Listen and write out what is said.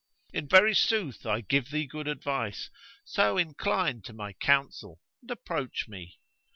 In very sooth, I give thee good advice: so incline to my counsel and approach me."